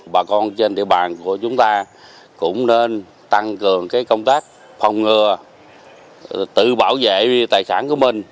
bà con trên địa bàn của chúng ta cũng nên tăng cường công tác phòng ngừa tự bảo vệ tài sản của mình